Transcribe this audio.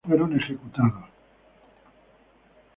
Los líderes fueron ejecutados.